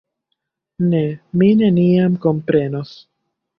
Ne, mi neniam komprenos.